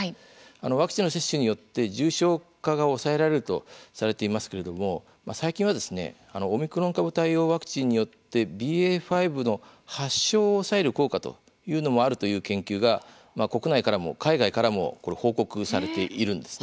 ワクチンの接種によって重症化が抑えられるとされていますけれども最近はですねオミクロン株対応ワクチンによってＢＡ．５の発症を抑える効果というのもあるという研究が国内からも海外からもこれ報告されているんですね。